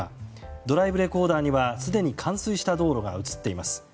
ドライブレコーダーにはすでに冠水した道路が映っています。